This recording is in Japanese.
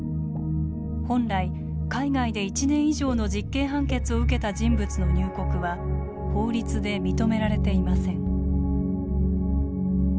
本来、海外で１年以上の実刑判決を受けた人物の入国は法律で認められていません。